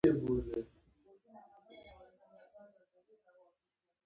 هر کار مهارت ته اړتیا لري.